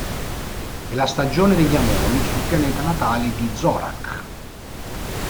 È la stagione degli amori sul pianeta natale di Zorak.